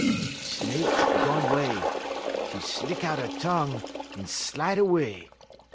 "Snake gone 'way; 'e slick out 'e tongue, 'e slide 'way.